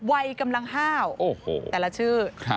วัยกำลังห้าวแต่ละชื่อ